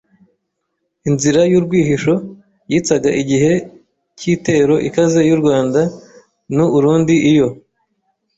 Inzira y’urwihisho: yitsaga igihe k’iitero ikaze y’u Rwanda n’u urundi iyo